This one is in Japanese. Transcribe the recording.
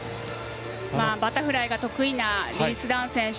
バタフライが得意なリース・ダン選手。